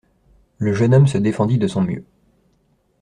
Le jeune homme se défendit de son mieux.